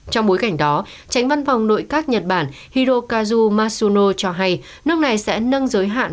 trong bối cảnh đó tránh văn phòng nội các nhật bản hirokazu masuno cho hay nước này sẽ nâng giới hạn